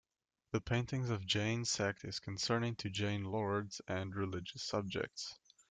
The paintings of Jain sect is concerning to Jain Lords and religious subjects.